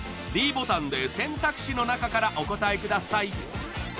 ｄボタンで選択肢のなかからお答えください